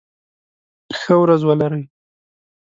ښه ورځ ولرئ.